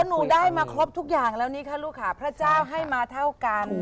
ก็หนูได้มาครบทุกอย่างแล้วไหนพระเจ้าให้มาเท่ากัน